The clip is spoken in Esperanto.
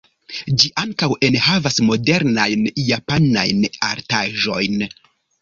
Ĝi ankaŭ enhavas modernajn japanajn artaĵojn.